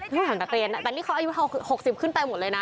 ของนักเรียนแต่อายุเขา๖๐ปีขึ้นไปหมดเลยนะ